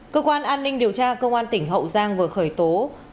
cơ quan an ninh điều tra cơ quan tỉnh hậu giang vừa khởi tố